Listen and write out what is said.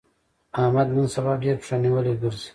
احمد نن سبا ډېر پښه نيولی ګرځي.